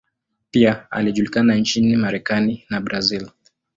Pia alijulikana nchini Marekani na Brazil.